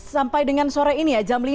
sampai dengan sore ini ya jam lima